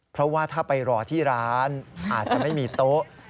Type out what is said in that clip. เพราะว่าถ้าไปรอที่ร้านอาจจะไม่มีโต๊ะ